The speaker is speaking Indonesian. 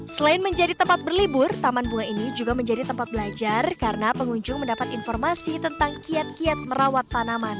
selain menjadi tempat berlibur taman bunga ini juga menjadi tempat belajar karena pengunjung mendapat informasi tentang kiat kiat merawat tanaman